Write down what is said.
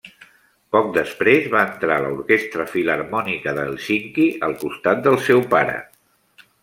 Poc després va entrar a l'Orquestra Filharmònica de Hèlsinki al costat del seu pare.